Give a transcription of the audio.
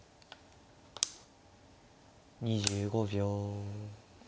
２５秒。